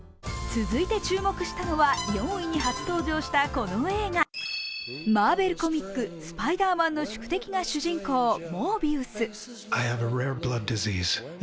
続いて注目したのは４位に初登場したこの映画、マーベルコミックス・パイダーマンの宿敵が主人公「モービウス」。